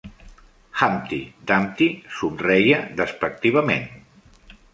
Humpty Dumpty somreia despectivament.